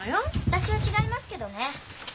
私は違いますけどね。